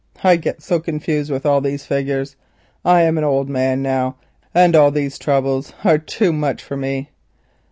I get so confused with these figures. I'm an old man now, and all these troubles are too much for me."